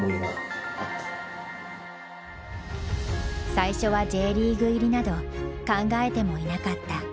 最初はＪリーグ入りなど考えてもいなかった。